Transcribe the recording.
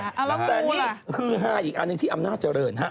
แล้วงูล่ะแต่นี่คือ๕อีกอันนึงที่อำนาจเจริญ